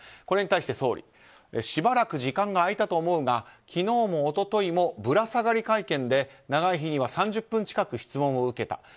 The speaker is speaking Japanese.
これに対し、総理しばらく時間が空いたと思うが昨日も一昨日もぶら下がり会見で長い日には３０分近く質問を受けた。